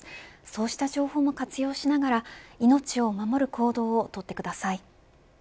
そうした情報も活用しながら命を守る行動を取ってください。